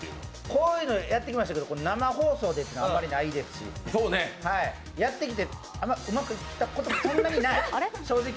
こういうのやってきましたけど生放送であまりないですしやってきて、あんまりうまくいったこともそんなにない、正直。